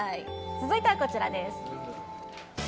続いてはこちらです。